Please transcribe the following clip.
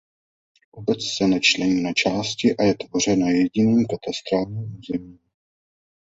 Obec se nečlení na části a je tvořena jediným katastrálním územím.